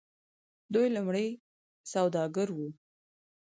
دوی لومړی سوداګر وو.